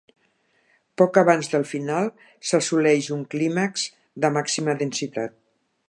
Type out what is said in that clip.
Poc abans del final s'assoleix un clímax de màxima densitat.